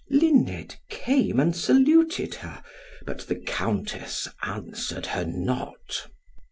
Luned came and saluted her, but the Countess answered her not.